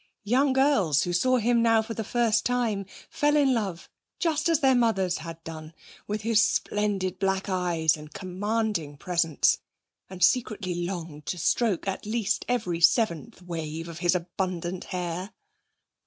Young girls who saw him now for the first time fell in love, just as their mothers had done, with his splendid black eyes and commanding presence, and secretly longed to stroke at least every seventh wave of his abundant hair.